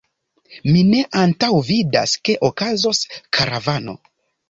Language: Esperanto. Mi ne antaŭvidas ke okazos karavano.